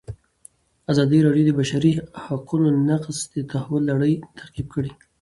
ازادي راډیو د د بشري حقونو نقض د تحول لړۍ تعقیب کړې.